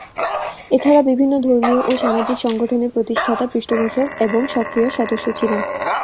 এছাড়া বিভিন্ন ধর্মীয় ও সামাজিক সংগঠনের প্রতিষ্ঠাতা, পৃষ্ঠপোষক এবং সক্রিয় সদস্য ছিলেন।